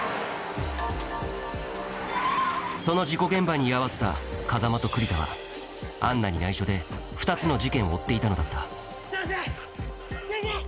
その事故現場に居合わせた風真と栗田はアンナに内緒で２つの事件を追っていたのだった先生！